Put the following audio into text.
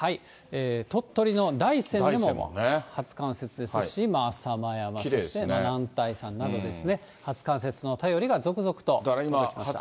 鳥取の大山でも初冠雪ですし、浅間山、そして男体山などですね、初冠雪の便りが続々と届いていました。